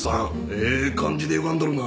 ええ感じでゆがんどるな。